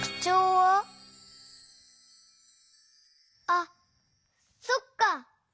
あっそっか！